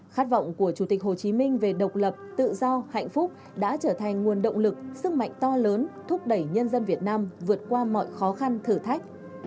khát vọng của chủ tịch hồ chí minh về độc lập tự do hạnh phúc đã trở thành nguồn động lực sức mạnh to lớn thúc đẩy nhân dân việt nam vượt qua mọi khó khăn thử thách